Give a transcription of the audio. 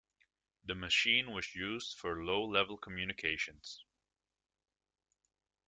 The machine was used for low-level communications.